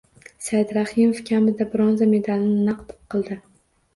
Saidrahimov kamida bronza medalini naqd qildi